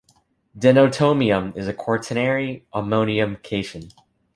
Denatonium is a quaternary ammonium cation.